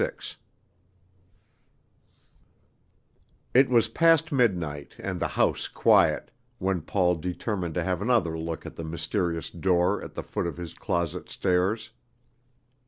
6 It was past midnight, and the house quiet, when Paul determined to have another look at the mysterious door at the foot of his closet stairs.